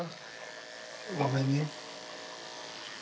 ごめんね。